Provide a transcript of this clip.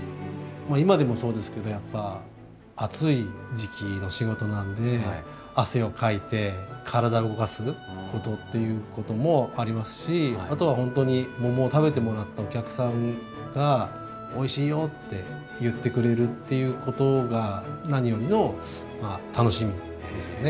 今でもそうですけどやっぱ暑い時期の仕事なので汗をかいて体を動かすことっていうこともありますしあとは本当に桃を食べてもらったお客さんがおいしいよって言ってくれるっていうことが何よりの楽しみですよね。